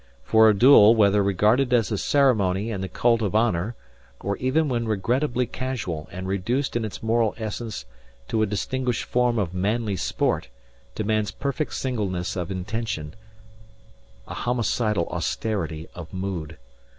For a duel whether regarded as a ceremony in the cult of honour or even when regrettably casual and reduced in its moral essence to a distinguished form of manly sport, demands perfect singleness of intention, a homicidal austerity of mood.